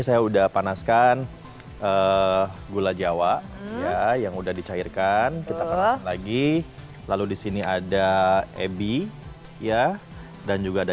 saya udah panaskan gula jawa ya yang udah dicairkan kita panas lagi lalu disini ada ebi ya dan juga ada